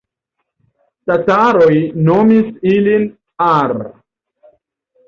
Tataroj nomis ilin Ar.